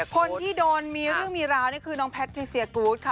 คนที่โดนมีเรื่องมีราวนี่คือน้องแพทิเซียกูธค่ะ